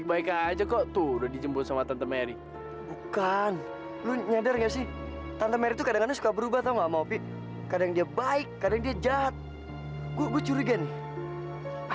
saya harus berterima kasih karena